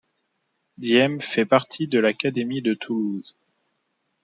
Deyme fait partie de l'académie de Toulouse.